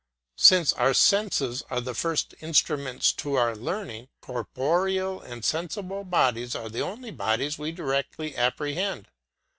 Since our senses are the first instruments to our learning, corporeal and sensible bodies are the only bodies we directly apprehend.